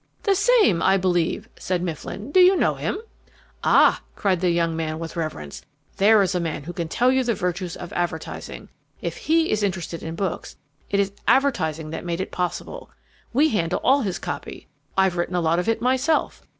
"The same, I believe," said Mifflin. "Do you know him?" "Ah," cried the young man with reverence. "There is a man who can tell you the virtues of advertising. If he is interested in books, it is advertising that made it possible. We handle all his copy I've written a lot of it myself.